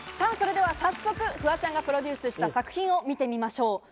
早速、フワちゃんがプロデュースした作品を見てみましょう。